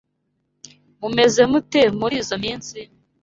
Mumeze mute murizoi minsi?